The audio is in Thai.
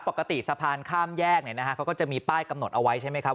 ปกติสะพานข้ามแยกเขาก็จะมีป้ายกำหนดเอาไว้ใช่ไหมครับ